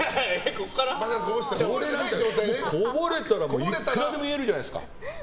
これなんて、こぼれたらいくらでも言えるじゃないですか。